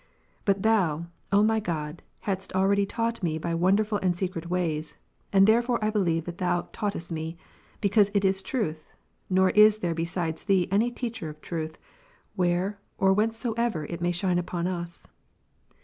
But Thou, O my God, hadst already taught me by wonderful and secret ways, and therefore I believe that Thou taughtest me, because it is truth, nor is there besides Thee any teacher of truth, where or whencesoever it may shine upon us^.